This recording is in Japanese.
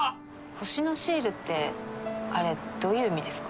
星のシールってあれどういう意味ですか？